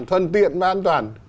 thuận tiện và an toàn